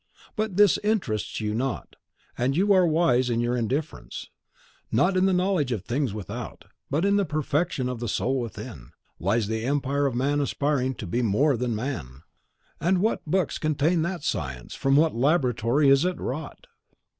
But this interests you not, and you are wise in your indifference. Not in the knowledge of things without, but in the perfection of the soul within, lies the empire of man aspiring to be more than man." "And what books contain that science; from what laboratory is it wrought?"